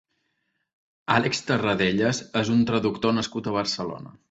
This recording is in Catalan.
Àlex Tarradellas és un traductor nascut a Barcelona.